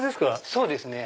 そうですね。